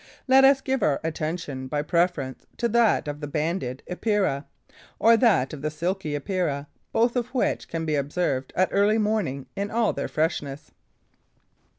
Let us give our attention by preference to that of the Banded Epeira or that of the Silky Epeira, both of which can be observed at early morning in all their freshness.